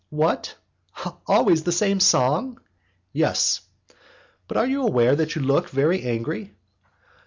"What! always the same song?" "Yes." "But are you aware that you look very angry?"